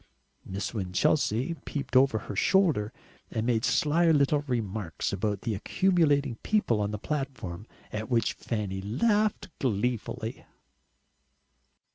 Miss Winchelsea peeped out over her shoulder, and made sly little remarks about the accumulating people on the platform, at which Fanny laughed gleefully.